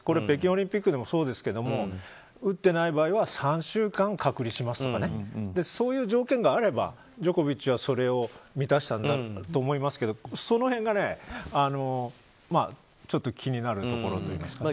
北京オリンピックでもそうですが打っていない場合は３週間隔離しますとかそういう条件があればジョコビッチは、それを満たしたんだと思いますがその辺が気になるところです。